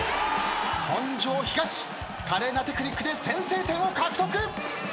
本庄東華麗なテクニックで先制点を獲得。